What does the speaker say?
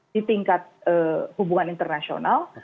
di tingkat hubungan internasional